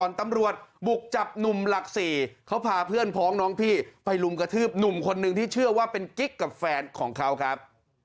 ตำรวจบุกจับหนุ่มหลักสี่เขาพาเพื่อนพ้องน้องพี่ไปลุมกระทืบหนุ่มคนนึงที่เชื่อว่าเป็นกิ๊กกับแฟนของเขาครับ